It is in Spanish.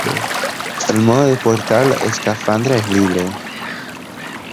El modo de portar la escafandra es libre.